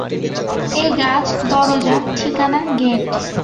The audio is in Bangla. এই গাছ, দরজা, ঠিকানা, গেট।